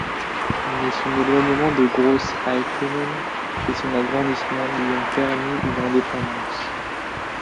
Mais son éloignement de Groß Eicklingen et son agrandissement lui ont permis une indépendance.